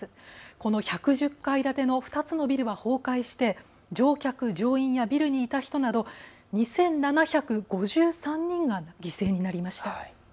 この１１０階建ての２つのビルは崩壊して乗客・乗員やビルにいた人など２７５３人が犠牲になりました。